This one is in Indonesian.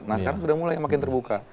nah sekarang sudah mulai makin terbuka